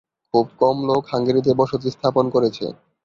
খুব কম লোক হাঙ্গেরিতে বসতি স্থাপন করেছে।